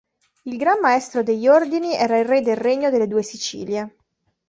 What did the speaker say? Il Gran Maestro degli Ordini era il re del Regno delle Due Sicilie.